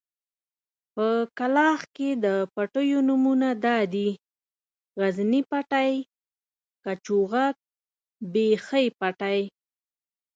په کلاخ کې د پټيو نومونه دادي: غزني پټی، کچوغک، بېخۍ پټی.